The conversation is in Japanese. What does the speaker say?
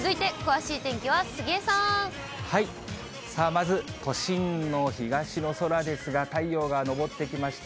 まず、都心の東の空ですが、太陽が昇ってきました。